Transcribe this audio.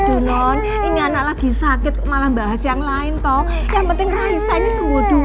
dengan ini anak lagi sakit malah bahas yang lain toh yang penting raisa ini sungguh dulu